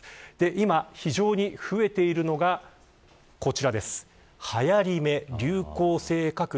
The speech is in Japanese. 今、非常に増えているのがこちらです。